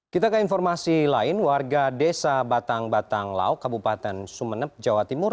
kita ke informasi lain warga desa batang batang lauk kabupaten sumeneb jawa timur